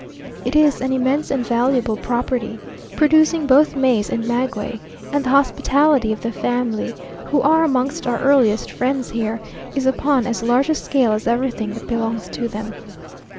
It is an immense and valuable property, producing both maize and maguey, and the hospitality of the family, who are amongst our earliest friends here, is upon as large a scale as everything that belongs to them.